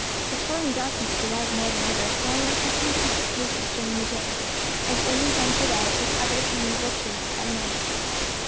Preferring darkness to light more than ever, Gorman kept in secret places during the day, and only ventured out, with other human vultures, at night.